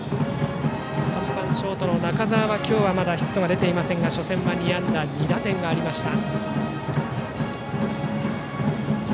３番ショート、中澤は今日はまだヒットありませんが初戦は２安打２打点がありました。